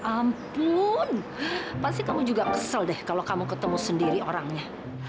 ampun pasti kamu juga kesel deh kalau kamu ketemu sendiri orangnya